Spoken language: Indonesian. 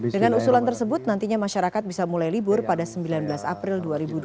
dengan usulan tersebut nantinya masyarakat bisa mulai libur pada sembilan belas april dua ribu dua puluh